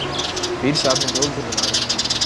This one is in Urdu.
پیر صاحب نے دوگھر بنا رکھے ہیں۔